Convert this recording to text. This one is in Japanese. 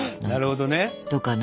なるほどね。